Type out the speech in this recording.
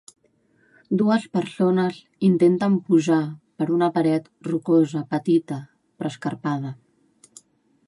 Dues persones intenten pujar per una paret rocosa petita, però escarpada.